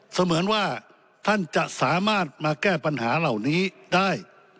เสมือนว่าท่านจะสามารถมาแก้ปัญหาเหล่านี้ได้